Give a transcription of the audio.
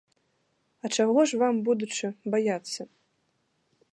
А чаго ж вам, будучы, баяцца?